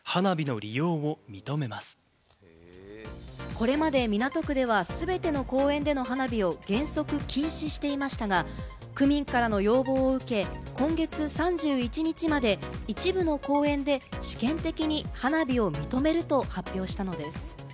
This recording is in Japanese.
これまで港区では全ての公園での花火を原則禁止していましたが、区民からの要望を受け、今月３１日まで、一部の公園で試験的に花火を認めると発表したのです。